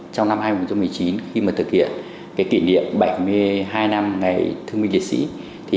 trong năm hai nghìn một mươi chín khi thực hiện kỷ niệm bảy mươi hai năm ngày thương minh liệt sĩ